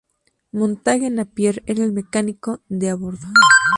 Montague Napier era el mecánico de a bordo.